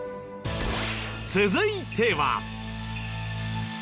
続いては。